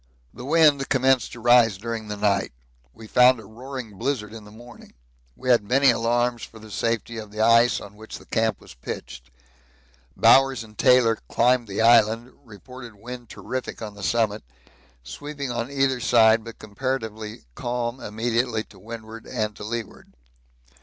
The wind commenced to rise during night. We found a roaring blizzard in the morning. We had many alarms for the safety of the ice on which the camp was pitched. Bowers and Taylor climbed the island; reported wind terrific on the summit sweeping on either side but comparatively calm immediately to windward and to leeward.